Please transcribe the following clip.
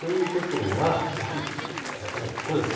やはりここ。